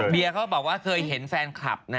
เดียเขาบอกว่าเคยเห็นแฟนคลับนะ